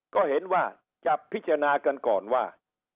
ก็เห็นว่าจะพิจารณากันก่อนว่า